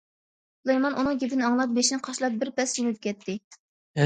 سۇلايمان ئۇنىڭ گېپىنى ئاڭلاپ، بېشىنى قاشلاپ بىر پەس جىمىپ كەتتى.